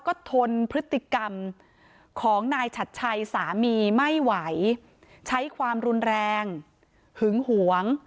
ก็ทนพฤติกรรมของนายฉัดชัยสามีไม่ไหวใช้ความรุนแรงหึงหวง